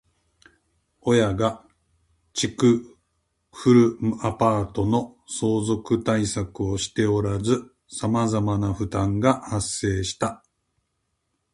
ヘルシーです。